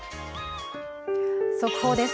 速報です。